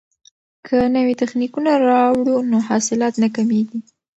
که نوي تخنیکونه راوړو نو حاصلات نه کمیږي.